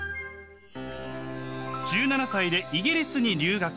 １７歳でイギリスに留学。